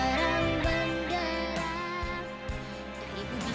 mama kau bagai bintang